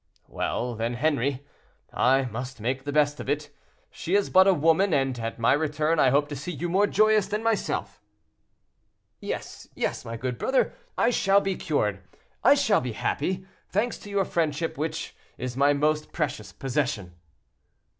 "Well, then, Henri, I must make the best of it. She is but a woman, and at my return I hope to see you more joyous than myself." "Yes, yes, my good brother, I shall be cured—I shall be happy, thanks to your friendship, which is my most precious possession."